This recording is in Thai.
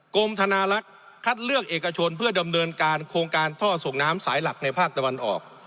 กรมธนาลักษณ์คัดเลือกเอกชนเพื่อดำเนินการโครงการท่อส่งน้ำสายหลักในภาคตะวันออก